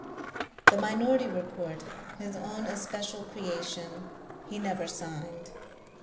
The Minority Report, his own especial creation, he never signed.